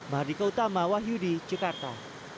mardika utama wahyu di jakarta